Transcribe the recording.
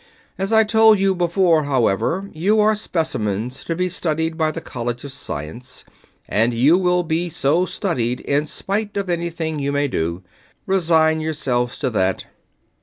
"As I told you before, however, you are specimens to be studied by the College of Science, and you shall be so studied in spite of anything you may do. Resign yourselves to that."